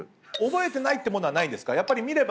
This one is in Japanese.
覚えてないものはないんですか？